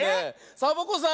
サボ子さん